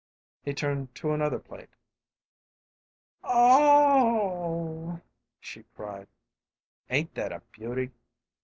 He turned to another plate. "Oh h h h h!" she cried. "Ain't that a beauty!